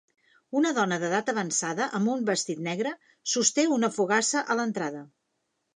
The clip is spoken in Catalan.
Una dona d'edat avançada amb un vestit negre sosté una fogassa a l'entrada.